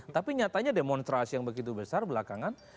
tapi nyatanya demonstrasi yang begitu besar belakangan